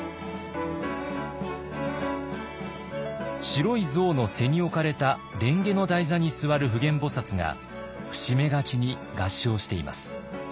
白い象の背に置かれた蓮華の台座に座る普賢菩が伏し目がちに合掌しています。